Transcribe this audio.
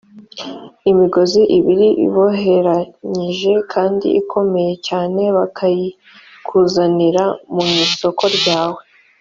imigozi ibiri iboheranyije kandi ikomeye cyane bakayikuzanira mu isoko ryawe